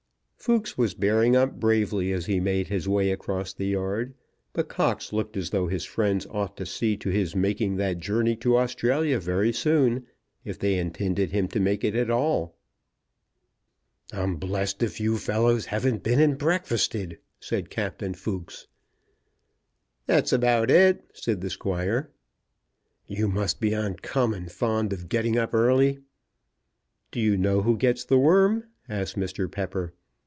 Fooks was bearing up bravely as he made his way across the yard; but Cox looked as though his friends ought to see to his making that journey to Australia very soon if they intended him to make it at all. "I'm blessed if you fellows haven't been and breakfasted," said Captain Fooks. "That's about it," said the Squire. "You must be uncommon fond of getting up early." "Do you know who gets the worm?" asked Mr. Pepper.